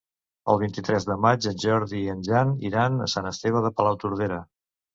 El vint-i-tres de maig en Jordi i en Jan iran a Sant Esteve de Palautordera.